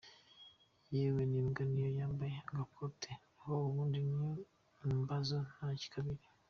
Yewe nimba niyo yambaye agakote naho ubundi ni imbazo nta kabiri.